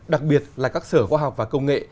đặc biệt là các sở khoa học và công nghệ